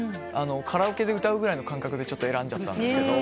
カラオケで歌うぐらいの感覚で選んじゃったんですけど。